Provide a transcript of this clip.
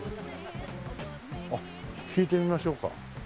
あっ聞いてみましょうか。